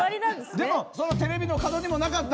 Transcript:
でもそのテレビの角にもなかった。